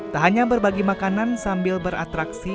tak hanya berbagi makanan sambil beratraksi